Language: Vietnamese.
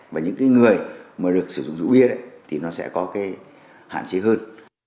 và những cái người mà được sử dụng rượu bia thì nó sẽ có cái hạn chế hơn